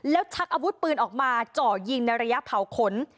แล้วชักอาวุธปืนออกมาเจาะยิงในระยะเผาขน